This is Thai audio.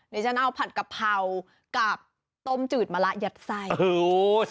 นาชาเนอลผัดกะเพรากับต้มจืดมะละหยัดไซน์